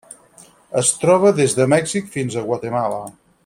Es troba des de Mèxic fins a Guatemala.